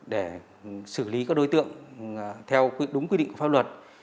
để xử lý các đối tượng theo đúng quy định của pháp luật